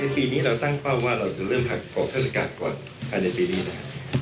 ปีนี้เราตั้งเป้าว่าเราจะเริ่มออกเทศกาลก่อนภายในปีนี้นะครับ